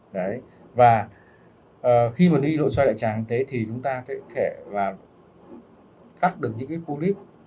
đấy và khi mà đi nội xoay đại trạng thế thì chúng ta có thể là cắt được những cái cú líp